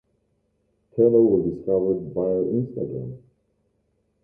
Taylor was discovered via Instagram.